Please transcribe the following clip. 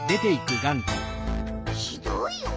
ひどいよ。